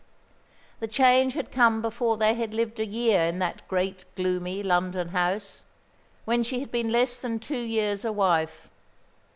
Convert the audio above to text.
The change had come before they had lived a year in that great, gloomy London house, when she had been less than two years a wife.